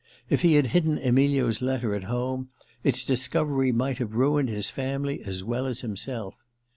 If he had hidden Emilio's letter at home, its discovery might have ruined his family as well as himself.